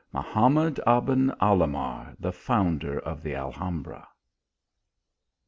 MAHAMAD ABEN ALAHMAR; The Founder of the Aihambra.